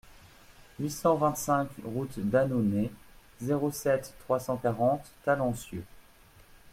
huit cent vingt-cinq route d'Annonay, zéro sept, trois cent quarante Talencieux